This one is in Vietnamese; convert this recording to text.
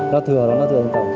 lo thừa lo lo thừa trên tàu